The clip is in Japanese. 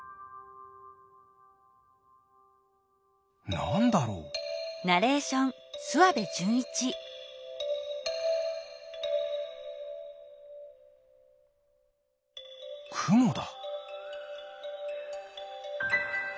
なんだろう？クモだ。